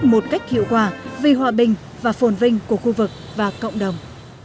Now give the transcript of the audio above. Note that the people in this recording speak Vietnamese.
một cách hiệu quả vì hòa bình và phồn vinh của khu vực và cộng đồng